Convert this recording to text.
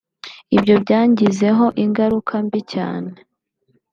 Ibyo byangizeho ingaruka mbi cyane